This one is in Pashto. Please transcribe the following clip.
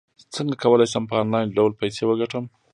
څنګه کولی شم په انلاین ډول پیسې وګټم